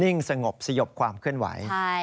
สงบสยบความเคลื่อนไหว